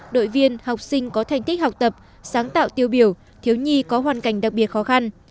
đội viên học sinh có thành tích học tập sáng tạo tiêu biểu thiếu nhi có hoàn cảnh đặc biệt khó khăn